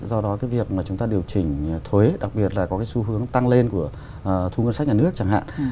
do đó cái việc mà chúng ta điều chỉnh thuế đặc biệt là có cái xu hướng tăng lên của thu ngân sách nhà nước chẳng hạn